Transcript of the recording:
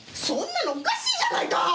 そんなのおかしいじゃないか！